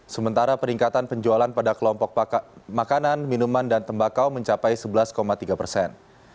sementara peningkatan penjualan pada kelompok makanan minuman dan tembakau mencapai sebelas tiga persen